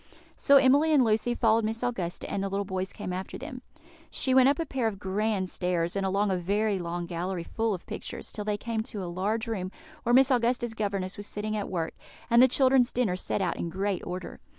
So Emily and Lucy followed Miss Augusta, and the little boys came after them. She went up a pair of grand stairs, and along a very long gallery full of pictures, till they came to a large room, where Miss Augusta's governess was sitting at work, and the children's dinner set out in great order.